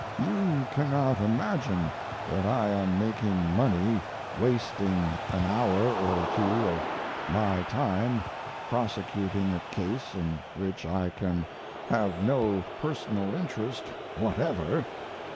You cannot imagine that I am making money wasting an hour or two of my time prosecuting a case in which I can have no personal interest whatever.